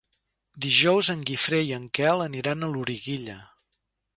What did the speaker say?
Dijous en Guifré i en Quel aniran a Loriguilla.